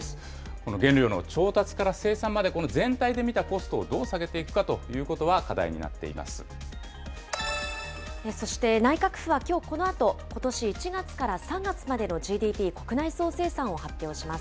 この原料の調達から生産まで、全体で見たコストをどう下げていくかということが課題になっていそして、内閣府はきょうこのあと、ことし１月から３月までのＧＤＰ・国内総生産を発表します。